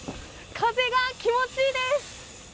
風が気持ち良いです。